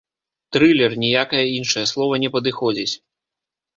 Трылер, ніякае іншае слова не падыходзіць!